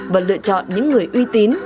và lựa chọn những người uy tín